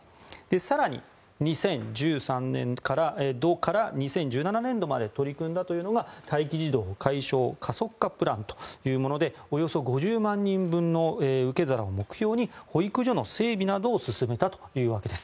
更に、２０１３年度から２０１７年度まで取り組んだというのが待機児童解消加速化プランでおよそ５０万人分の受け皿を目標に保育所の整備などを進めたというわけです。